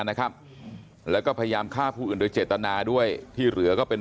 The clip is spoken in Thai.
นะครับแล้วก็พยายามฆ่าผู้อื่นโดยเจตนาด้วยที่เหลือก็เป็น